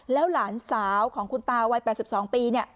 แล้วหลานสาวของคุณตาวัย๘๒ปี